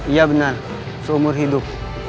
iya benar seumur hidup